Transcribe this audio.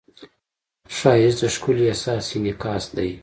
ښایست د ښکلي احساس انعکاس دی